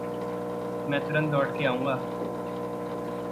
मैं तुरंत लौट के आऊँगा